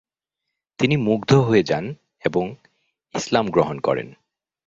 তিনি মুগ্ধ হয়ে যান এবং ইসলাম গ্রহণ করেন।